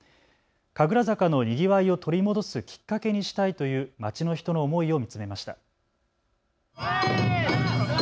神楽坂のにぎわいを取り戻すきっかけにしたいという街の人の思いを見つめました。